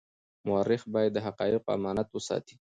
مورخ باید د حقایقو امانت وساتي.